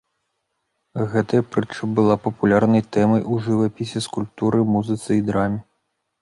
Гэтая прытча была папулярнай тэмай у жывапісе, скульптуры, музыцы і драме.